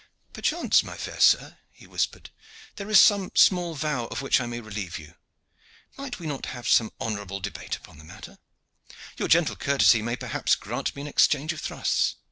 "Perchance, my fair sir," he whispered, "there is some small vow of which I may relieve you. Might we not have some honorable debate upon the matter. Your gentle courtesy may perhaps grant me an exchange of thrusts."